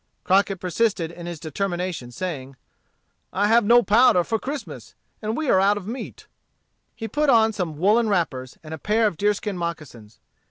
Crockett persisted in his determination, saying, "I have no powder for Christmas, and we are out of meat." He put on some woollen wrappers and a pair of deerskin moccasins.